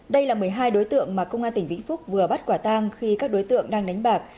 đây là một mươi hai đối tượng mà công an tỉnh vĩnh phúc vừa bắt quả tang khi các đối tượng đang đánh bạc